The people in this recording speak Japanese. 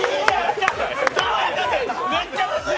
めっちゃムズい！！